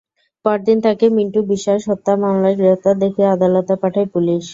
পরদিন তাঁকে মিন্টু বিশ্বাস হত্যা মামলায় গ্রেপ্তার দেখিয়ে আদালতে পাঠায় পুলিশ।